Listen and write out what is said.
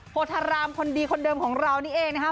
โพธารามคนดีคนเดิมของเรานี่เองนะครับ